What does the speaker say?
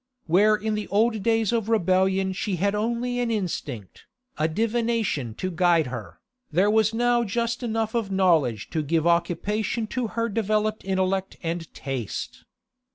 Where in the old days of rebellion she had only an instinct, a divination to guide her, there was now just enough of knowledge to give occupation to her developed intellect and taste.